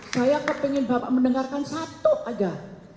saya kepengen bapak mendengarkan satu aja